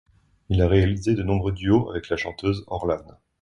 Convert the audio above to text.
Il a réalisé de nombreux duos avec la chanteuse Orlane.